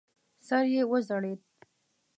سر یې وځړېد.